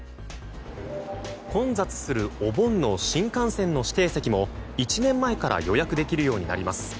混雑するお盆の新幹線の指定席も１年前から予約できるようになります。